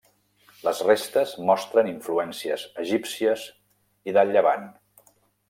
Les restes mostren influències egípcies i del llevant.